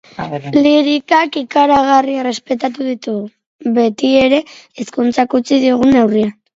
Lirikak ikaragarri errespetatu ditugu, betiere, hizkuntzak utzi digun neurrian.